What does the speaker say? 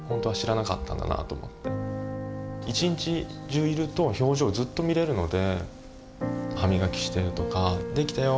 一日中いると表情をずっと見れるので歯磨きしてるとか「できたよ